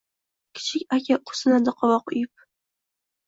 Kichik aka o‘ksinadi qovoq uyib